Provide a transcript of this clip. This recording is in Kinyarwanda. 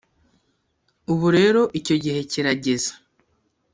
Ubu rero icyo gihe kirageze